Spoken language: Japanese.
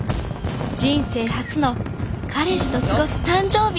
人生初の彼氏と過ごす誕生日。